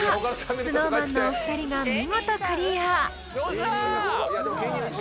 ＳｎｏｗＭａｎのお二人が見事クリア］よっしゃ！